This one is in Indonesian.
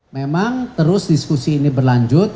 memang terus diskusi ini berlanjut